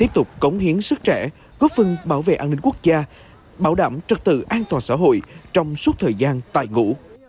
trẻ góp phân bảo vệ an ninh quốc gia bảo đảm trật tự an toàn xã hội trong suốt thời gian tại ngũ